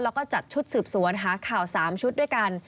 แล้วก็จัดชุดสืบสวนหาข่าว๓ชุดด้วยกัน